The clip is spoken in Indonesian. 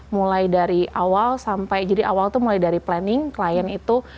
mulai dari awal sampai jadi awal itu mulai dari planning klien itu